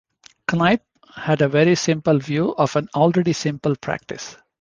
Kneipp had a very simple view of an already simple practice.